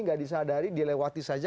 tidak disadari dilewati saja